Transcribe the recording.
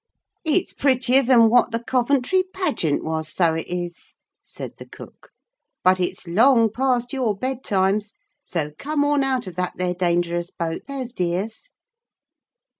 'It's prettier than wot the Coventry pageant was, so it is,' said the cook, 'but it's long past your bed times. So come on out of that there dangerous boat, there's dears.'